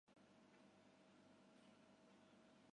利用可信平台模块形式。